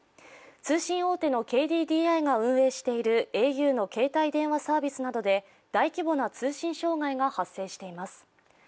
通信大手のＫＤＤＩが運営しているａｕの携帯電話サービスなどで大規模な通信障害が発生しています。